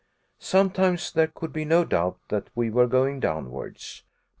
Sometimes there could be no doubt that we were going downwards.